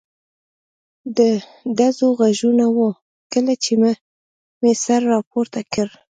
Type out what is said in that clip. د ډزو غږونه و، کله چې مې سر را پورته کړ.